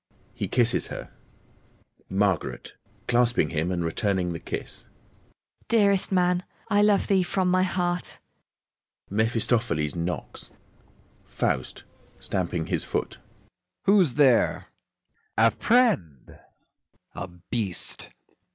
(He kisses her.) MARGARET (clasping him, and returning the kiss) Dearest man! I love thee from my heart. (MEPHISTOPHELES knocks) FAUST (stamping his foot) Who's there? MEPHISTOPHELES A friend! FAUST A beast!